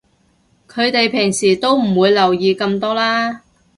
佢哋平時都唔會留意咁多啦